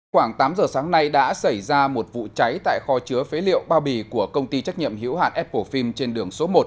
khoảng tám giờ sáng nay đã xảy ra một vụ cháy tại kho chứa phế liệu bao bì của công ty trách nhiệm hiểu hạn apple phim trên đường số một